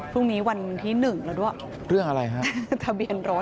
ทะเบียนรถหรือครับ